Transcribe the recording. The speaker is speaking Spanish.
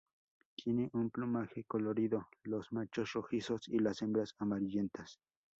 Tienen un plumaje colorido, los machos rojizos y las hembras amarillentas.